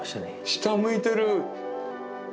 下向いてる。